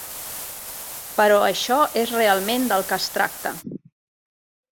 Però això és realment del que es tracta.